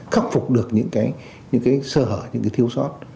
khắc phục được những cái sơ hở những cái thiếu sót